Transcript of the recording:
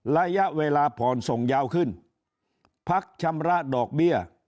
ระยะเวลาผ่อนส่งยาวขึ้นพักชำระดอกเบี้ย